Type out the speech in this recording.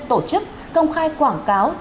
tổ chức công khai quảng cáo